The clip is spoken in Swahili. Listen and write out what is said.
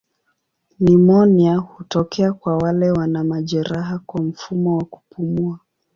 Nimonia hutokea kwa wale wana majeraha kwa mfumo wa kupumua.